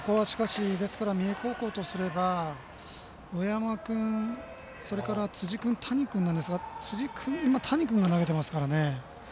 三重高校とすれば上山君、それから辻君谷君なんですが谷君が投げてますからね。